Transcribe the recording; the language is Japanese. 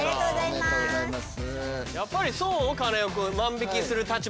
ありがとうございます。